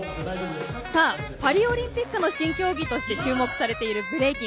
パリオリンピックの新競技として注目されているブレイキン。